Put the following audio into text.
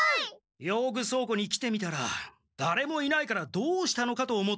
用具倉庫に来てみたらだれもいないからどうしたのかと思ったぞ。